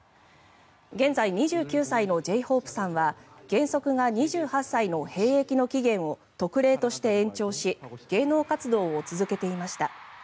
現在２９歳のＪ−ＨＯＰＥさんは原則が２８歳の兵役の期限を特例として延長し芸能活動を続けていました。